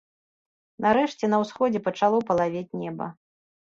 Нарэшце на ўсходзе пачало палавець неба.